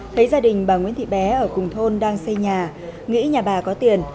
thấy gia đình bà nguyễn thị bé ở cùng thôn đang xây nhà nghĩ nhà bà có tiền